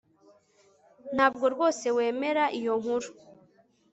Ntabwo rwose wemera iyo nkuru